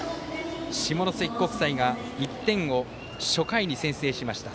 下関国際が１点を初回に先制しました。